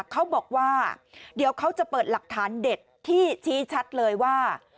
เขาบอกว่าเดี๋ยวเขาจะเปิดหลักฐานเด็ดที่ชี้ชัดเลยว่า